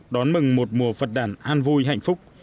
đón mừng một mùa phật đản an vui hạnh phúc